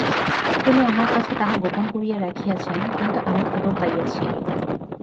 তিনি আমার কাছে তাহা গোপন করিয়া রাখিয়াছেন, কিন্তু আমি খবর পাইয়াছি।